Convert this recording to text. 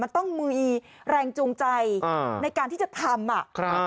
มันต้องมีแรงจูงใจในการที่จะทำ